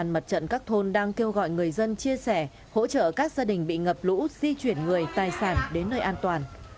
mặt trận các thôn đang kêu gọi người dân chia sẻ hỗ trợ các gia đình bị ngập lũ di chuyển người tài sản đến nơi an toàn